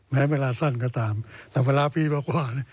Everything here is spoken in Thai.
แม้เวลาสั้นก็ตามแต่เวลาปีกว่า